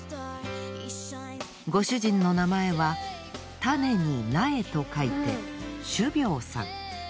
ご主人の名前は種に苗と書いて種苗さん。